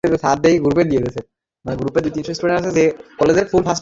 বিপ্রদাস মুখ লাল করে বললে, এটা কি উচিত হচ্ছে?